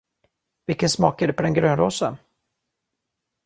Vilken smak är det på den grönrosa?